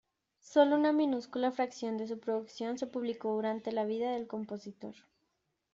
Solo una minúscula fracción de su producción se publicó durante la vida del compositor.